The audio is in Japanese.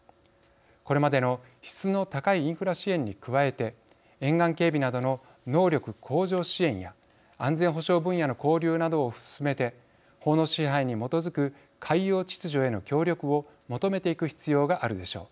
これまでの質の高いインフラ支援に加えて沿岸警備などの能力向上支援や安全保障分野の交流などを進めて法の支配に基づく海洋秩序への協力を求めていく必要があるでしょう。